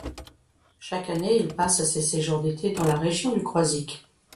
Chaque année il passe ses séjours d’été dans la région du Croisic.